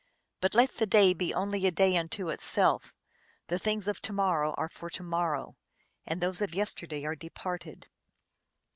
But let the day be only a day unto itself ; the things of to morrow are for to morrow, and those of yesterday are departed."